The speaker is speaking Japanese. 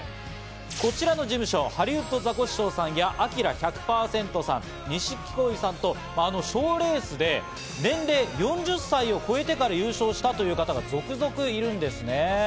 こちらの事務所、ハリウッドザコシショウさんや、アキラ１００％さん、錦鯉さんと、賞レースで年齢４０歳を超えてから優勝したという方が続々いるんですね。